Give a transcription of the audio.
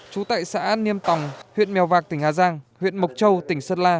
trú tại xã niêm tòng huyện mèo vạc tỉnh hà giang huyện mộc châu tỉnh sơn la